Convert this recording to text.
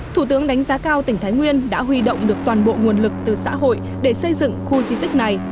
thủ tướng đánh giá cao tỉnh thái nguyên đã huy động được toàn bộ nguồn lực từ xã hội để xây dựng khu di tích này